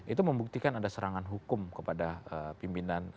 itu membuktikan ada serangan hukum kepada pimpinan